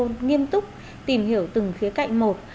môn nghiêm túc tìm hiểu từng khía cạnh một